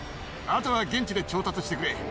あとは現地で調達してくれ。